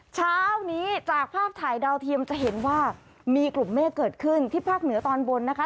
เช้านี้จากภาพถ่ายดาวเทียมจะเห็นว่ามีกลุ่มเมฆเกิดขึ้นที่ภาคเหนือตอนบนนะคะ